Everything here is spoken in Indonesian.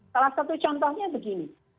salah satu contohnya begini